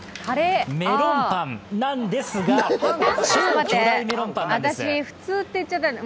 メロンパンなんですが、超巨大メロンパンなんです。